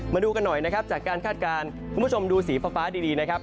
มาดูกันหน่อยนะครับจากการคาดการณ์คุณผู้ชมดูสีฟ้าดีนะครับ